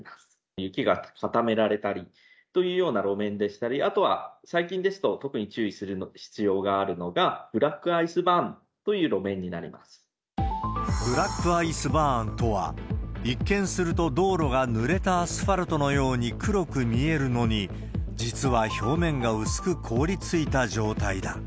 雪が固められたりというような路面でしたり、あとは、最近ですと特に注意する必要があるのが、ブラックアイスバーンという路面にブラックアイスバーンとは、一見すると道路がぬれたアスファルトのように黒く見えるのに、実は表面が薄く凍りついた状態だ。